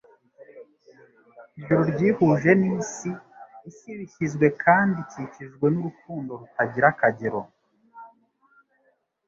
Ijuru ryihuje n'isi, isi iba ishyizwe kandi ikikijwe n'urukundo rutagira akagero.